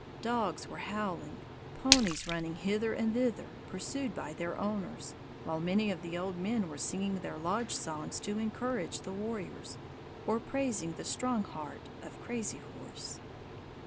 Dogs were howling, ponies running hither and thither, pursued by their owners, while many of the old men were singing their lodge songs to encourage the warriors, or praising the "strong heart" of Crazy Horse.